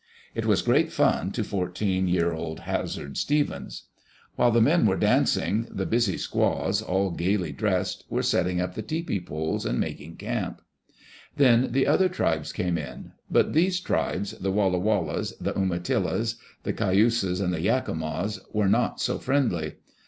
It was great fun to fourteen year old Hazard Stevens. While the men were dancing, the busy squaws, all gayly dressed, were setting up the tepee poles and making camp. Then other tribes came in. But these tribes, the Walla Wallas, the Umatillas, the Cayuses, and the Yakimas, were not so friendly.